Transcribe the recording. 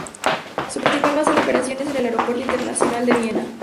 Su principal base de operaciones es el Aeropuerto Internacional de Viena.